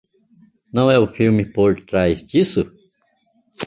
Não é o filme por trás disso?